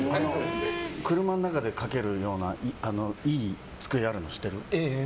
車の中で書けるようないい机あるの知ってる？